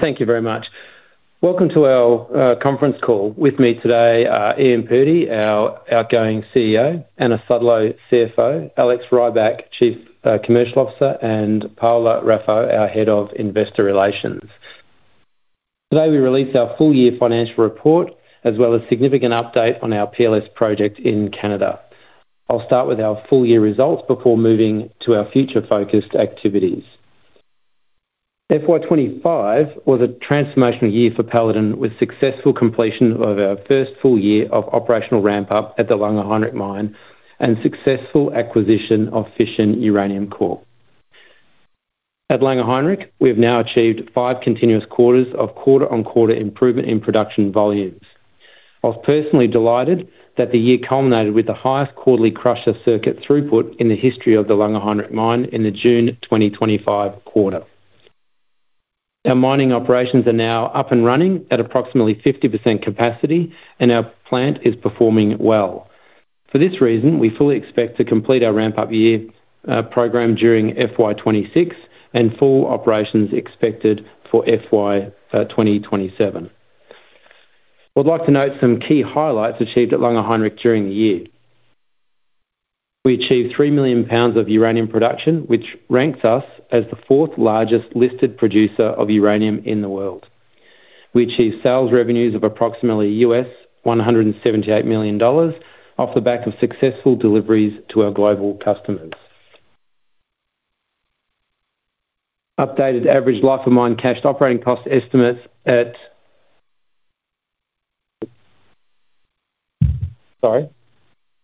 Thank you very much. Welcome to our conference call. With me today are Ian Purdy, our outgoing CEO, Anna Sudlow, CFO, Alex Rybak, Chief Commercial Officer, and Paula Raffo, our Head of Investor Relations. Today we release our full-year financial report, as well as a significant update on our PLS project in Canada. I'll start with our full-year results before moving to our future-focused activities. FY 2025 was a transformational year for Paladin, with successful completion of our first full year of operational ramp-up at the Langer Heinrich Mine and successful acquisition of Fission Uranium Corp. At Langer Heinrich, we have now achieved five continuous quarters of quarter-on-quarter improvement in production volumes. I was personally delighted that the year culminated with the highest quarterly crusher circuit throughput in the history of the Langer Heinrich Mine in the June 2025 quarter. Our mining operations are now up and running at approximately 50% capacity, and our plant is performing well. For this reason, we fully expect to complete our ramp-up year program during FY 2026 with full operations expected for FY 2027. I'd like to note some key highlights achieved at Langer Heinrich during the year. We achieved 3 lbs million of uranium production, which ranks us as the fourth largest listed producer of uranium in the world. We achieved sales revenues of approximately $178 million off the back of successful deliveries to our global customers. Updated average life-of-mine cash operating cost estimates at... Sorry.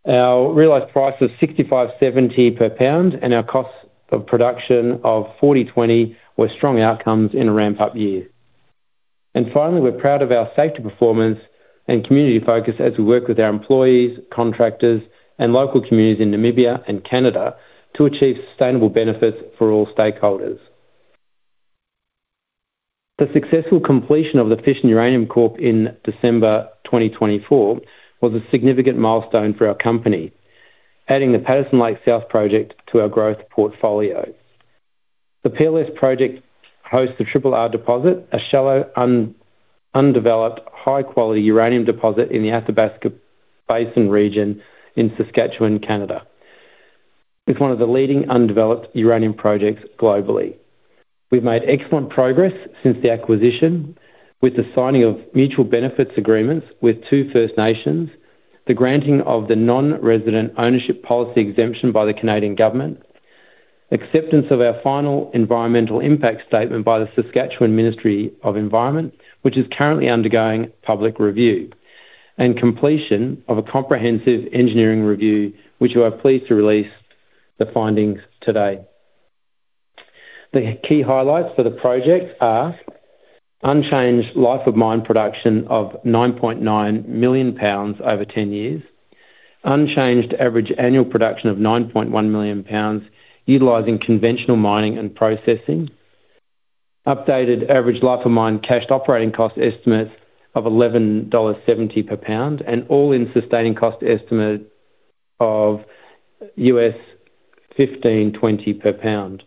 Our realized price of $65.70 per pound and our cost of production of $40.20 were strong outcomes in a ramp-up year. Finally, we're proud of our safety performance and community focus as we work with our employees, contractors, and local communities in Namibia and Canada to achieve sustainable benefits for all stakeholders. The successful completion of the Fission Uranium Corp. acquisition in December 2024 was a significant milestone for our company, adding the Patterson Lake South Project to our growth portfolio. The PLS Project hosts the Triple R Deposit, a shallow, undeveloped, high-quality uranium deposit in the Athabasca Basin region in Saskatchewan, Canada. It's one of the leading undeveloped uranium projects globally. We've made excellent progress since the acquisition, with the signing of mutual benefits agreements with two First Nations, the granting of the non-resident ownership exemption by the Canadian government, acceptance of our final environmental impact statement by the Saskatchewan Ministry of Environment, which is currently undergoing public review, and completion of a comprehensive engineering review, which we are pleased to release the findings today. The key highlights for the project are unchanged life-of-mine production of 9.9 lbs million over 10 years, unchanged average annual production of 9.1 lbs million utilizing conventional mining and processing, updated average life-of-mine cash operating cost estimates of $11.70 per pound, and all-in sustaining cost estimate of $15.20 per pound.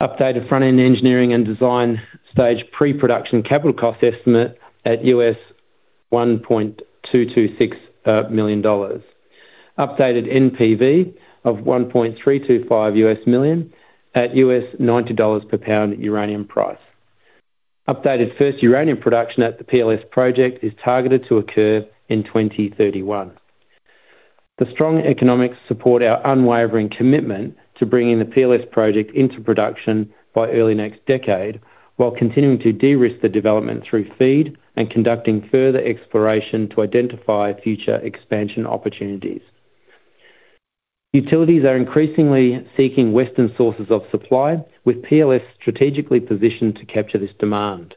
Updated front-end engineering and design stage pre-production capital cost estimate at $1.226 billion. Updated NPV of $1.325 billion at $90 per pound uranium price. Updated first uranium production at the PLS Project is targeted to occur in 2031. The strong economics support our unwavering commitment to bringing the PLS Project into production by early next decade, while continuing to de-risk the development through FEED and conducting further exploration to identify future expansion opportunities. Utilities are increasingly seeking Western sources of supply, with PLS strategically positioned to capture this demand.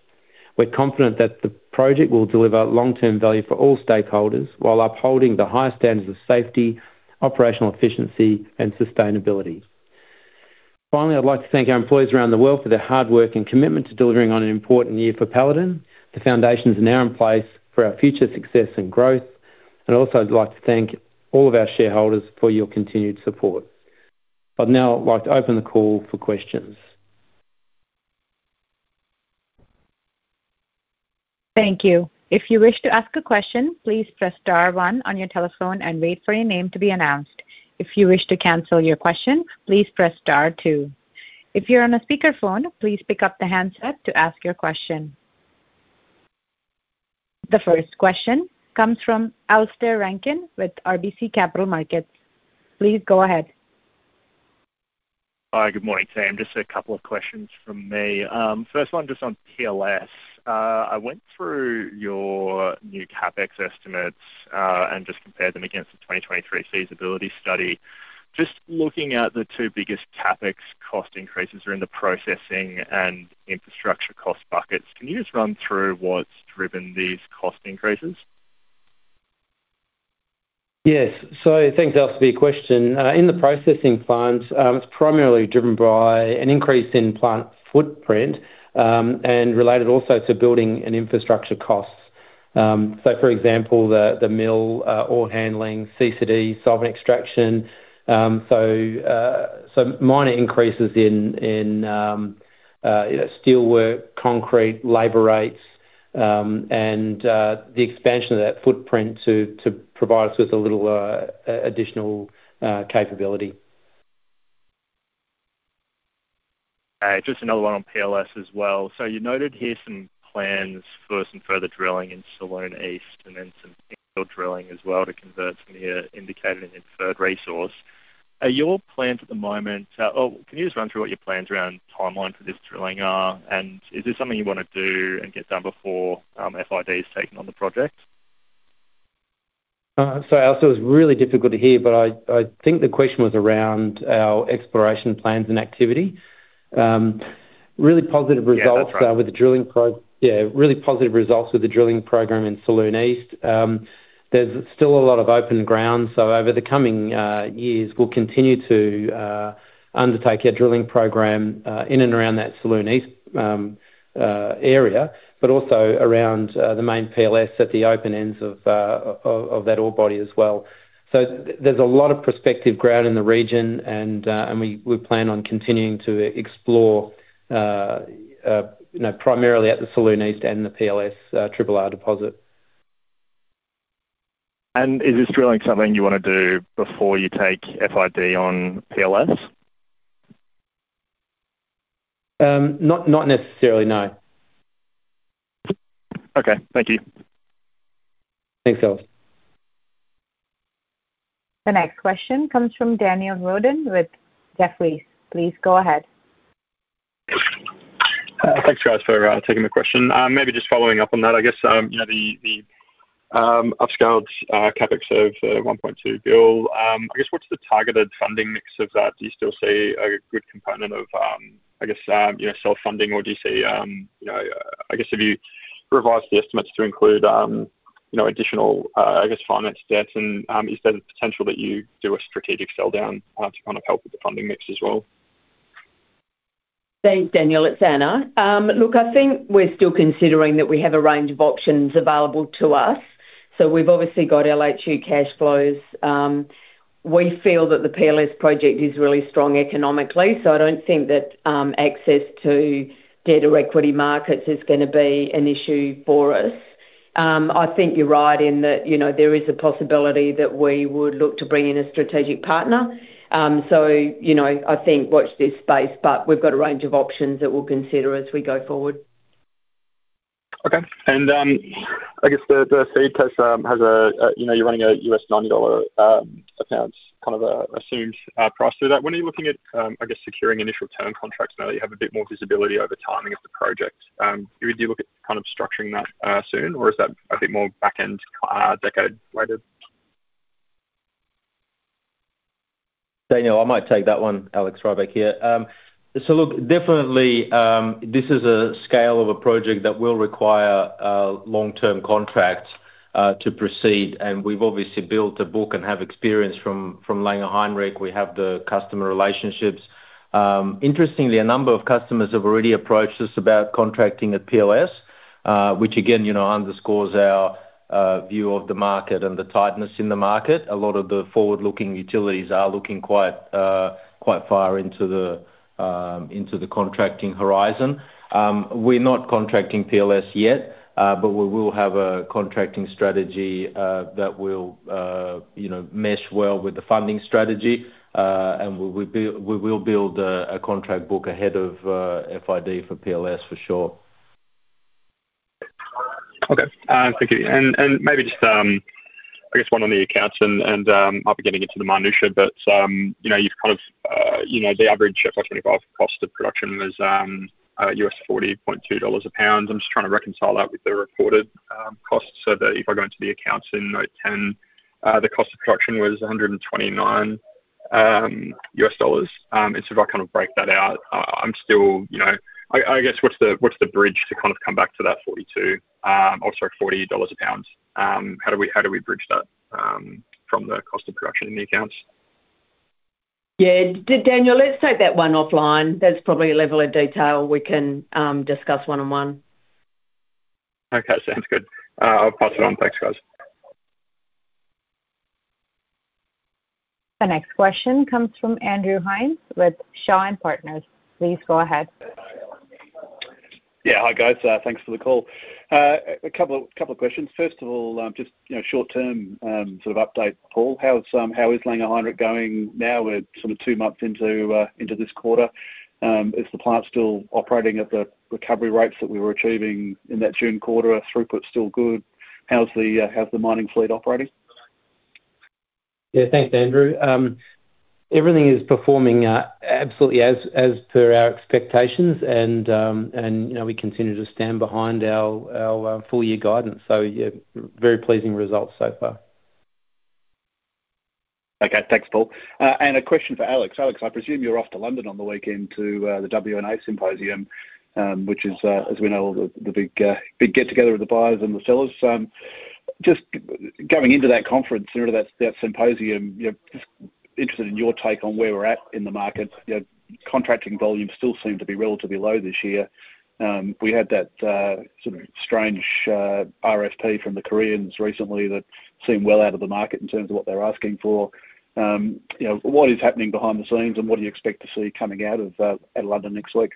We're confident that the project will deliver long-term value for all stakeholders while upholding the highest standards of safety, operational efficiency, and sustainability. Finally, I'd like to thank our employees around the world for their hard work and commitment to delivering on an important year for Paladin. The foundations are now in place for our future success and growth. I'd also like to thank all of our shareholders for your continued support. I'd now like to open the call for questions. Thank you. If you wish to ask a question, please press star one on your telephone and wait for your name to be announced. If you wish to cancel your question, please press star two. If you're on a speakerphone, please pick up the handset to ask your question. The first question comes from Alistair Rankin with RBC Capital Markets. Please go ahead. Hi, good morning, Sam. Just a couple of questions from me. First one just on PLS. I went through your new CapEx estimates and just compared them against the 2023 feasibility study. Just looking at the two biggest CapEx cost increases are in the processing and infrastructure cost buckets. Can you just run through what's driven these cost increases? Yes, so thanks Alistair for your question. In the processing plants, it's primarily driven by an increase in plant footprint and related also to building and infrastructure costs. For example, the mill or handling, CCD, solvent extraction, minor increases in steel work, concrete, labor rates, and the expansion of that footprint to provide us with a little additional capability. Just another one on PLS as well. You noted here some plans for some further drilling in Siloam East and then some drilling as well to convert some of your indicated and inferred resource. Are your plans at the moment? Can you just run through what your plans around timeline for this drilling are? Is this something you want to do and get done before FID is taken on the project? Sorry, Alistair, it was really difficult to hear, but I think the question was around our exploration plans and activity. Really positive results with the drilling program. Really positive results with the drilling program in Siloam East. There's still a lot of open ground. Over the coming years, we'll continue to undertake a drilling program in and around that Siloam East area, but also around the main PLS at the open ends of that ore body as well. There's a lot of prospective ground in the region, and we plan on continuing to explore, primarily at the Siloam East and the PLS Triple R Deposit. Is this drilling something you want to do before you take FID on PLS? Not necessarily, no. Okay, thank you. Thanks, Als. The next question comes from Daniel Roden with Jefferies. Please go ahead. Thanks for asking, for taking the question. Maybe just following up on that, I guess, you know, the upscaled CapEx of $1.2 billion. I guess what's the targeted funding mix of that? Do you still see a good component of, I guess, you know, self-funding or do you see, you know, I guess if you revised the estimates to include, you know, additional, I guess, finance debt in, is there the potential that you do a strategic sell down to kind of help with the funding mix as well? Thanks, Daniel. It's Anna. I think we're still considering that we have a range of options available to us. We've obviously got Langer Heinrich Mine cash flows. We feel that the Patterson Lake South Project is really strong economically, so I don't think that access to debt or equity markets is going to be an issue for us. I think you're right in that there is a possibility that we would look to bring in a strategic partner. I think watch this space, but we've got a range of options that we'll consider as we go forward. Okay. I guess the FEED case has a, you know, you're running a $90 account, kind of an assumed price through that. When are you looking at securing initial term contracts now that you have a bit more visibility over time against the project? Would you look at kind of structuring that soon or is that, I think, more backend decade later? Daniel, I might take that one. Alex Rybak here. This is definitely a scale of a project that will require long-term contracts to proceed. We've obviously built a book and have experience from Langer Heinrich. We have the customer relationships. Interestingly, a number of customers have already approached us about contracting at PLS, which underscores our view of the market and the tightness in the market. A lot of the forward-looking utilities are looking quite far into the contracting horizon. We're not contracting PLS yet, but we will have a contracting strategy that will mesh well with the funding strategy. We will build a contract book ahead of FID for PLS for sure. Okay, thank you. Maybe just, I guess, one on the accounts. I'll be getting into the mining ship, but you know, you've kind of, you know, the average ship I think I've cost of production was $40.2 a pound. I'm just trying to reconcile that with the reported costs so that if I go into the accounts in note 10, the cost of production was $129. If I kind of break that out, I'm still, you know, I guess what's the bridge to kind of come back to that $40? I'll say $40 a pound. How do we bridge that from the cost of production in the accounts? Yeah, Daniel, let's take that one offline. There's probably a level of detail we can discuss one-on-one. Okay, sounds good. I'll pass it on. Thanks, guys. The next question comes from Andrew Hines with Shaw and Partners. Please go ahead. Yeah, hi guys. Thanks for the call. A couple of questions. First of all, just, you know, short-term sort of update, Paul. How's Langer Heinrich going now? We're sort of two months into this quarter. Is the plant still operating at the recovery rates that we were achieving in that June quarter? Is throughput still good? How's the mining fleet operating? Yeah, thanks, Andrew. Everything is performing absolutely as per our expectations. We continue to stand behind our full-year guidance. Very pleasing results so far. Okay, thanks, Paul. A question for Alex. Alex, I presume you're off to London on the weekend to the WNA Symposium, which is, as we know, the big get-together of the buyers and the sellers. Just going into that conference, that symposium, just interested in your take on where we're at in the market. Contracting volumes still seem to be relatively low this year. We had that sort of strange RFP from the Koreans recently that seemed well out of the market in terms of what they're asking for. What is happening behind the scenes and what do you expect to see coming out of at London next week?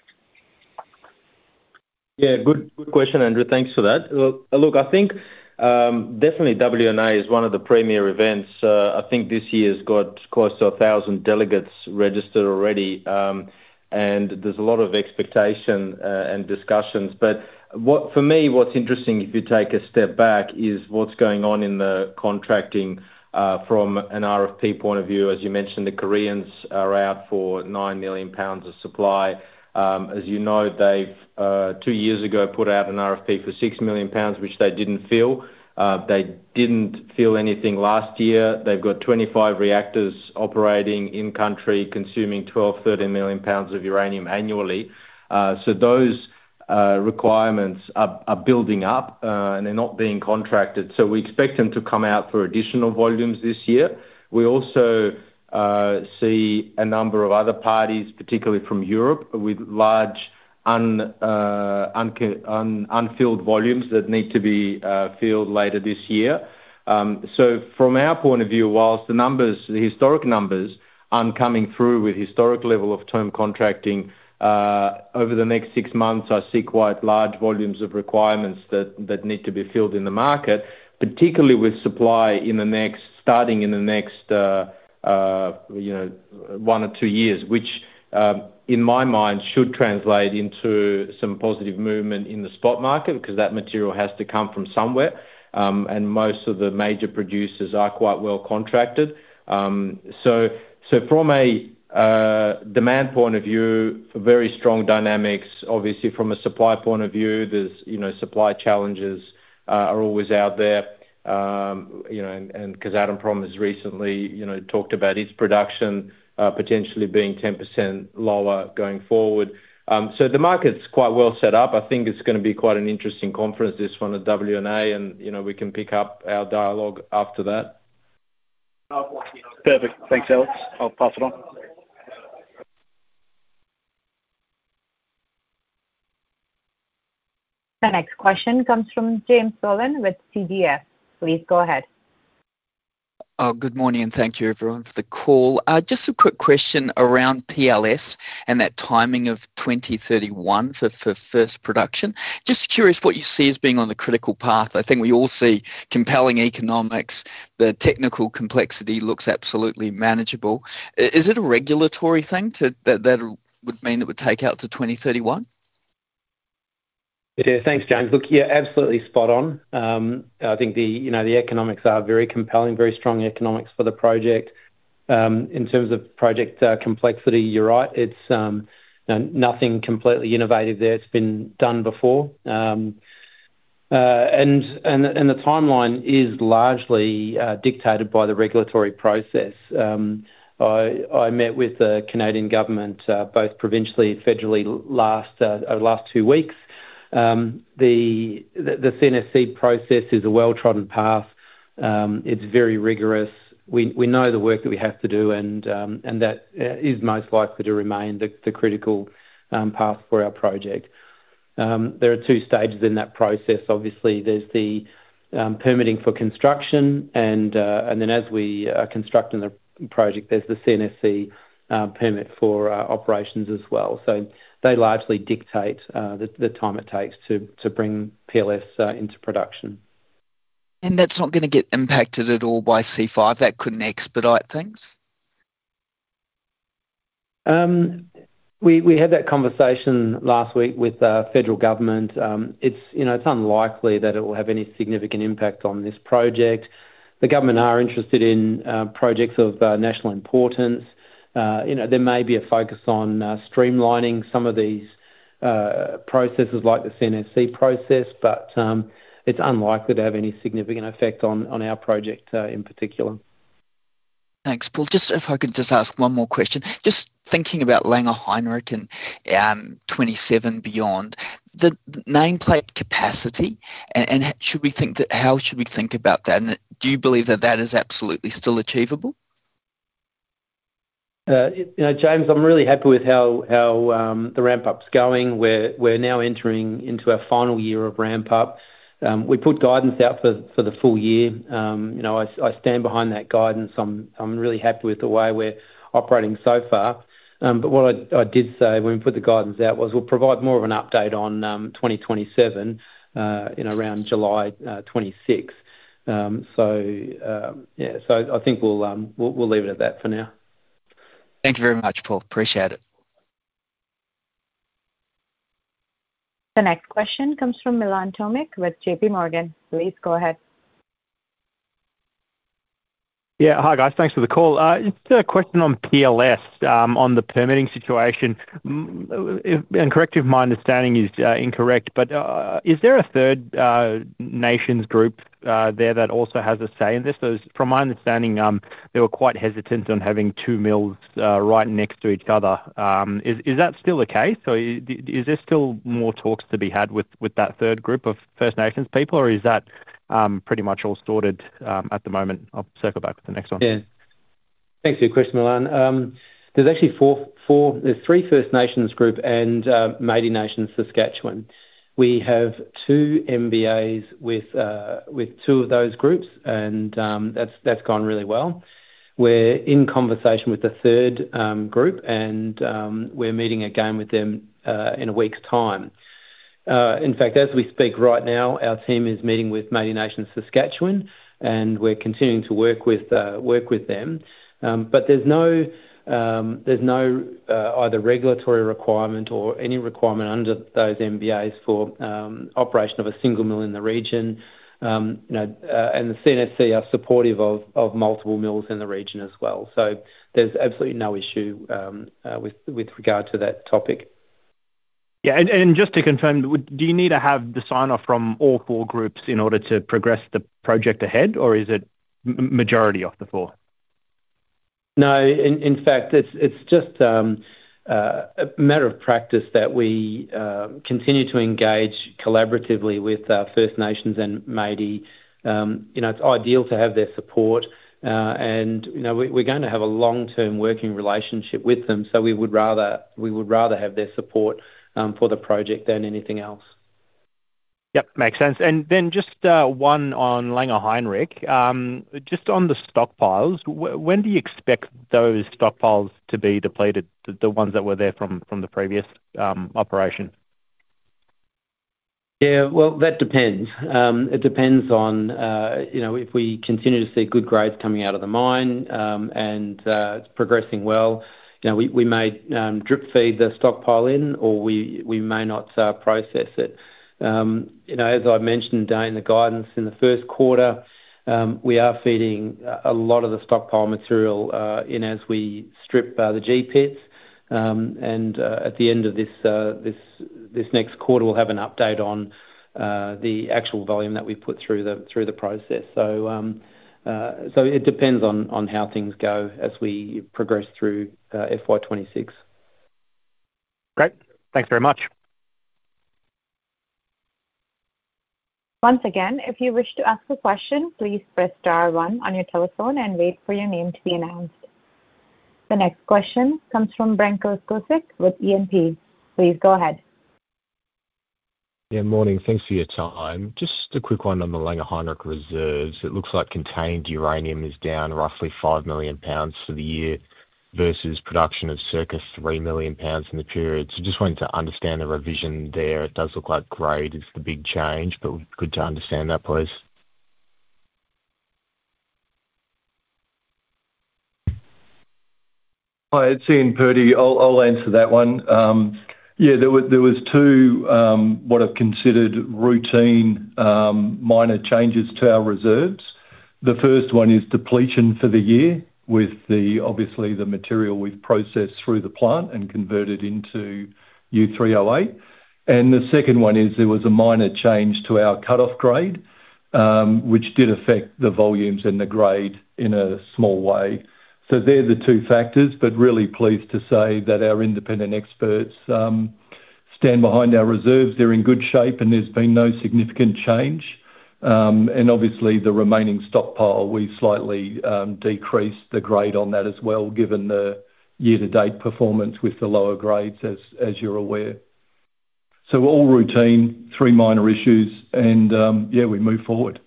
Yeah, good question, Andrew. Thanks for that. Look, I think definitely WNA is one of the premier events. I think this year has got close to 1,000 delegates registered already, and there's a lot of expectation and discussions. For me, what's interesting, if you take a step back, is what's going on in the contracting from an RFP point of view. As you mentioned, the Koreans are out for 9 lbs million of supply. As you know, two years ago, they put out an RFP for 6 lbs million, which they didn't fill. They didn't fill anything last year. They've got 25 reactors operating in-country, consuming 12 lbs million, 13 million pounds of uranium annually. Those requirements are building up and they're not being contracted. We expect them to come out for additional volumes this year. We also see a number of other parties, particularly from Europe, with large unfilled volumes that need to be filled later this year. From our point of view, whilst the numbers, the historic numbers, aren't coming through with historic level of term contracting, over the next six months, I see quite large volumes of requirements that need to be filled in the market, particularly with supply starting in the next, you know, one or two years, which in my mind should translate into some positive movement in the spot market because that material has to come from somewhere. Most of the major producers are quite well contracted. From a demand point of view, very strong dynamics. Obviously, from a supply point of view, there are supply challenges always out there, and because Kazatomprom has recently talked about its production potentially being 10% lower going forward. The market's quite well set up. I think it's going to be quite an interesting conference, this one at WNA, and we can pick up our dialogue after that. Perfect. Thanks, Alex. I'll pass it on. The next question comes from James P. Bullen with CDF. Please go ahead. Good morning and thank you everyone for the call. Just a quick question around PLS and that timing of 2031 for first production. Just curious what you see as being on the critical path. I think we all see compelling economics. The technical complexity looks absolutely manageable. Is it a regulatory thing that would mean it would take out to 2031? Yeah, thanks, James. Look, you're absolutely spot on. I think the economics are very compelling, very strong economics for the project. In terms of project complexity, you're right. It's nothing completely innovative there. It's been done before, and the timeline is largely dictated by the regulatory process. I met with the Canadian government both provincially and federally last two weeks. The CNSC process is a well-trodden path. It's very rigorous. We know the work that we have to do, and that is most likely to remain the critical path for our project. There are two stages in that process. Obviously, there's the permitting for construction, and then as we are constructing the project, there's the CNSC permit for operations as well. They largely dictate the time it takes to bring PLS into production. That's not going to get impacted at all by C5. That couldn't expedite things. We had that conversation last week with the federal government. It's, you know, it's unlikely that it will have any significant impact on this project. The government are interested in projects of national importance. You know, there may be a focus on streamlining some of these processes like the CNSC process, but it's unlikely to have any significant effect on our project in particular. Thanks, Paul. If I could just ask one more question. Just thinking about Langer Heinrich and 2027 and beyond, the nameplate capacity, how should we think about that? Do you believe that that is absolutely still achievable? You know, James, I'm really happy with how the ramp-up's going. We're now entering into our final year of ramp-up. We put guidance out for the full year. I stand behind that guidance. I'm really happy with the way we're operating so far. What I did say when we put the guidance out was we'll provide more of an update on 2027 in around July 26. I think we'll leave it at that for now. Thank you very much, Paul. Appreciate it. The next question comes from Milan Tomic with JPMorgan. Please go ahead. Yeah, hi guys, thanks for the call. Just a question on PLS, on the permitting situation. Correct me if my understanding is incorrect, but is there a First Nations group there that also has a say in this? From my understanding, they were quite hesitant on having two mills right next to each other. Is that still the case? Is there still more talks to be had with that group of First Nations people, or is that pretty much all sorted at the moment? I'll circle back to the next one. Yeah, thanks for your question, Milan. There's actually four, there's three First Nations groups and Métis Nation Saskatchewan. We have two MBAs with two of those groups, and that's gone really well. We're in conversation with the third group, and we're meeting again with them in a week's time. In fact, as we speak right now, our team is meeting with Métis Nation Saskatchewan, and we're continuing to work with them. There's no either regulatory requirement or any requirement under those MBAs for operation of a single mill in the region. You know, and the CNSC are supportive of multiple mills in the region as well. There's absolutely no issue with regard to that topic. Yeah, just to confirm, do you need to have the sign-off from all four groups in order to progress the project ahead, or is it majority of the four? No, in fact, it's just a matter of practice that we continue to engage collaboratively with First Nations and Métis. It's ideal to have their support, and we're going to have a long-term working relationship with them. We would rather have their support for the project than anything else. Yep, makes sense. Just one on Langer Heinrich. Just on the stockpiles, when do you expect those stockpiles to be depleted, the ones that were there from the previous operation? That depends. It depends on, you know, if we continue to see good grades coming out of the mine and it's progressing well. You know, we may drip feed the stockpile in or we may not process it. As I mentioned in the guidance in the first quarter, we are feeding a lot of the stockpile material in as we strip the GPITs. At the end of this next quarter, we'll have an update on the actual volume that we put through the process. It depends on how things go as we progress through FY 2026. Great, thanks very much. Once again, if you wish to ask a question, please press star one on your telephone and wait for your name to be announced. The next question comes from Brent [Kozkosik] with E&P. Please go ahead. Good morning. Thanks for your time. Just a quick one on the Langer Heinrich reserves. It looks like contained uranium is down roughly 5 lbs million for the year versus production of circa 3 lbs million in the period. Just wanted to understand the revision there. It does look like grade is the big change, but good to understand that, please. Hi, it's Ian Purdy. I'll answer that one. Yeah, there were two, what are considered routine minor changes to our reserves. The first one is depletion for the year with the, obviously, the material we've processed through the plant and converted into U3O8. The second one is there was a minor change to our cutoff grade, which did affect the volumes and the grade in a small way. They're the two factors, but really pleased to say that our independent experts stand behind our reserves. They're in good shape and there's been no significant change. Obviously, the remaining stockpile, we slightly decreased the grade on that as well, given the year-to-date performance with the lower grades, as you're aware. All routine, three minor issues, and yeah, we move forward. Thank you.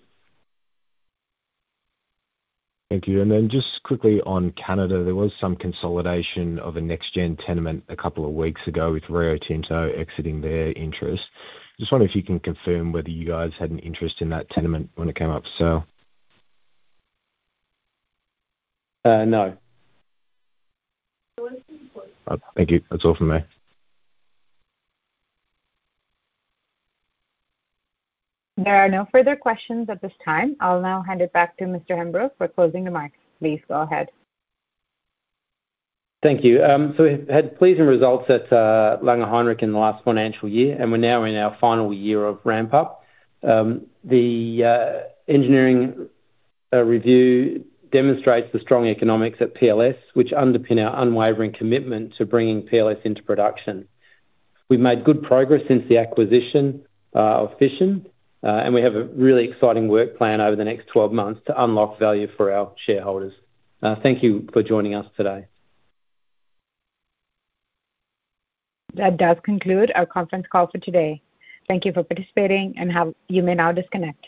Just quickly on Canada, there was some consolidation of a NexGen tenement a couple of weeks ago with Rio Tinto exiting their interest. Just wondering if you can confirm whether you guys had an interest in that tenement when it came up, sir. No. Thank you. That's all from me. There are no further questions at this time. I'll now hand it back to Mr. Hemburrow for closing the mic. Please go ahead. Thank you. We've had pleasing results at Langer Heinrich in the last financial year, and we're now in our final year of ramp-up. The engineering review demonstrates the strong economics at PLS, which underpin our unwavering commitment to bringing PLS into production. We've made good progress since the acquisition of Fission, and we have a really exciting work plan over the next 12 months to unlock value for our shareholders. Thank you for joining us today. That does conclude our conference call for today. Thank you for participating, and you may now disconnect.